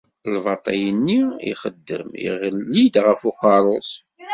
Lbaṭel-nni ixeddem iɣelli-d ɣef uqerru-s.